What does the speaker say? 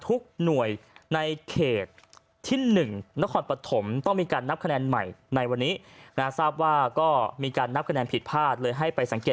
ทุกหน่วยในเขตที่๑นครปฐมต้องมีการนับคะแนนใหม่ในวันนี้ทุกหน่วยในเขตที่๑นครปฐมต้องมีการนับคะแนนใหม่ในวันนี้